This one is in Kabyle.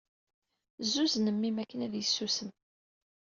Zuzen mmi-m akken ad yessusem.